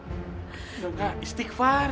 tidak kak istighfar